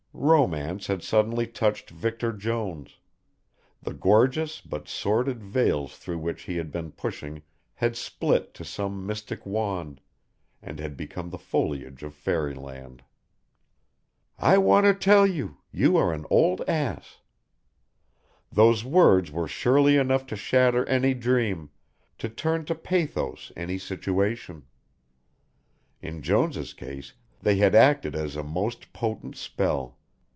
Romance had suddenly touched Victor Jones; the gorgeous but sordid veils through which he had been pushing had split to some mystic wand, and had become the foliage of fairy land. "I want to tell you you are an old ass." Those words were surely enough to shatter any dream, to turn to pathos any situation. In Jones' case they had acted as a most potent spell.